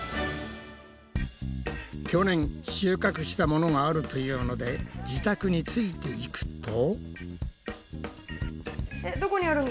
去年収穫したものがあるというので自宅についていくと。